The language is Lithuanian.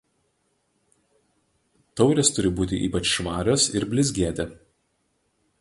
Taurės turi būti ypač švarios ir blizgėti.